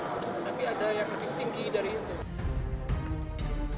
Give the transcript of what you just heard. tapi ada yang lebih tinggi dari itu